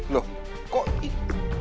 loh kok ini